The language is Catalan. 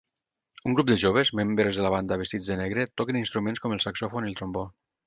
Un grup de joves membres de la banda vestits de negre toquen instruments com el saxòfon i el trombó.